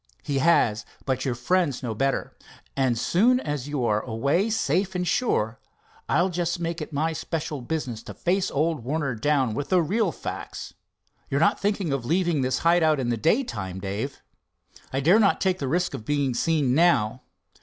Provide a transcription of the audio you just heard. "He has, but your friends know better. And soon as you are away safe and sure, I'll just make it my special business to face old Warner down with the real facts. You're not thinking of leaving this hide out in the daytime, Dave?" "I dare not take the risk of being seen now."